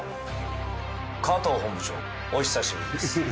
加藤本部長お久しぶりです。